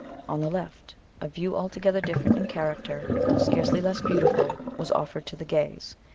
On the left, a view altogether different in character, though scarcely less beautiful, was offered to the gaze.